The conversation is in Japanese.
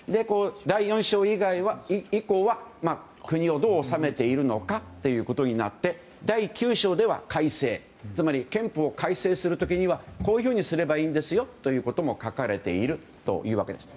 第４章以降は国をどう治めているのかということになって第９章では改正つまり憲法改正する時にはこういうふうにすればいいんですよということが書かれているんです。